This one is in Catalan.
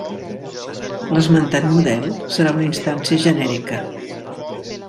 L'esmentat model serà una instància genèrica.